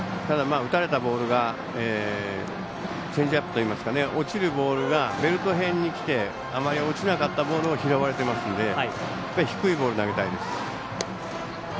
打たれたボールがチェンジアップといいますか落ちるボールがベルト辺りにきてあまり落ちなかったボールを拾われていますので低いボールを投げたいです。